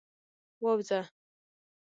ووځه.